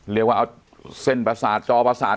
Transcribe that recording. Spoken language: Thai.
เรียกว่าเอาเส้นประสาทจอประสาท